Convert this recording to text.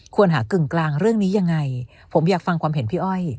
หากึ่งกลางเรื่องนี้ยังไงผมอยากฟังความเห็นพี่อ้อย